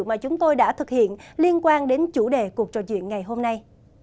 mà chúng tôi đã thực hiện liên quan đến chủ đề cuộc trò chuyện ngày hôm nay